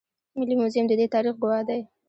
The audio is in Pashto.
ملي موزیم د دې تاریخ ګواه دی